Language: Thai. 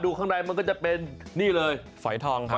ข้างในมันก็จะเป็นนี่เลยฝอยทองครับ